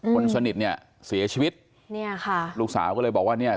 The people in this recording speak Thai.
คนสนิทเนี่ยเสียชีวิตเนี่ยค่ะลูกสาวก็เลยบอกว่าเนี่ย